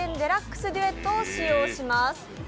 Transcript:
ＤＸデュエットを使用します。